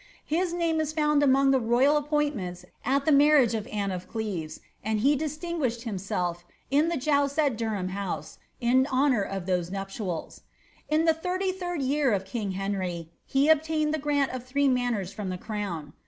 His name is found among the royal lents at the marriage of Anne of Cleves, and he distinguished in the jousts at Durham House in honour of those nuptials, lirty third year of king Henry, he obtained the grant of three from the crown.